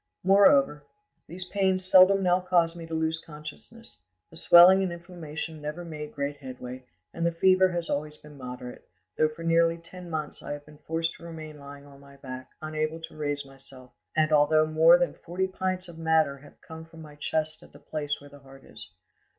"Moreover, these pains seldom now cause me to lose consciousness; the swelling and inflammation never made great headway, and the fever has always been moderate, though for nearly ten months I have been forced to remain lying on my back, unable to raise myself, and although more than forty pints of matter have come from my chest at the place where the heart is.